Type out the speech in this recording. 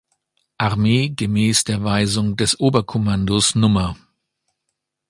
Armee gemäß der Weisung des Oberkommandos Nr.